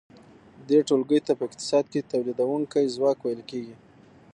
دې ټولګې ته په اقتصاد کې تولیدونکی ځواک ویل کیږي.